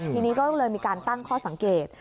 ทีนี้ก็เลยมีการตั้งข้อสังเกต